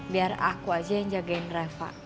biar aku aja yang jagain reva